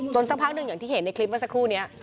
สักพักหนึ่งอย่างที่เห็นในคลิปเมื่อสักครู่นี้